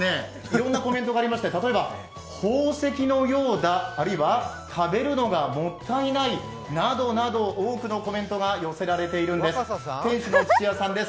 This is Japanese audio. いろんなコメントがありまして、例えば宝石のようだ、あるいは食べるのがもったいない、などなど多くのコメントが寄せられているんです。